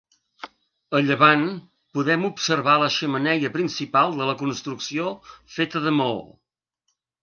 A llevant podem observar la xemeneia principal de la construcció feta de maó.